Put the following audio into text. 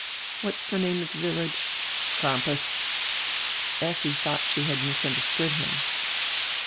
"What is the name of the village? " "Crampas." Effi thought she had misunderstood him.